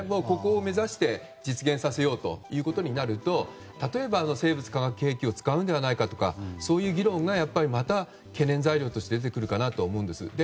ここを目指して実現させようとなると例えば、生物・化学兵器を使うのではないかとかそういう議論がまた懸念材料として出てくるかなと思うんです。